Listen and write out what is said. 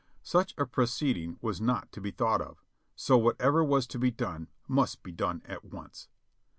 Such a proceeding was not to be thought of ; so whatever was to be done must be done at once.